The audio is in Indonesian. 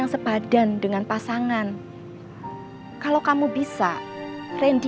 aku sudah melakukan tugas kamu disini